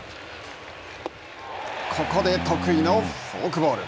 ここで得意のフォークボール。